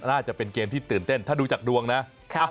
น่าจะเป็นเกมที่ตื่นเต้นถ้าดูจากดวงนะ